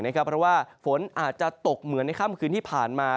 เพราะว่าฝนอาจจะตกเหมือนในค่ำคืนที่ผ่านมา